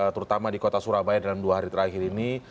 terutama di kota surabaya dalam dua hari terakhir ini